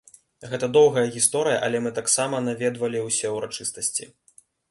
Гэта доўгая гісторыя, але мы таксама наведвалі ўсе ўрачыстасці.